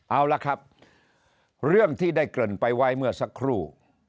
เอาละครับเรื่องที่ได้เกริ่นไปไว้เมื่อสักครู่